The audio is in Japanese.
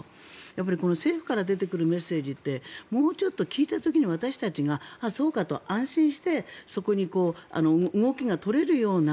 やっぱり政府から出てくるメッセージってもうちょっと聞いた時に、私たちがあっ、そうかと安心して動きが取れるような